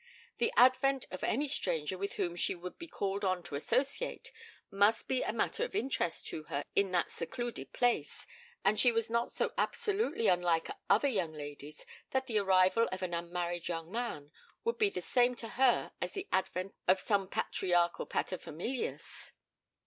The advent of any stranger with whom she would be called on to associate must be matter of interest to her in that secluded place; and she was not so absolutely unlike other young ladies that the arrival of an unmarried young man would be the same to her as the advent of some patriarchal pater familias.